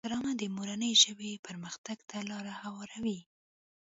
ډرامه د مورنۍ ژبې پرمختګ ته لاره هواروي